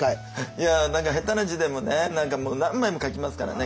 いや何か下手な字でもね何かもう何枚も書きますからね。